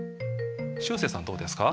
しゅうせいさんどうですか？